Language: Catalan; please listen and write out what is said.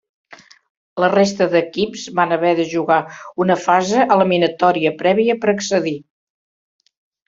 La resta d'equips van haver de jugar una fase eliminatòria prèvia per accedir.